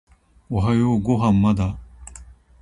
おはようご飯まだ？